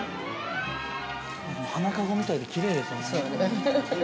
◆花かごみたいできれいですね。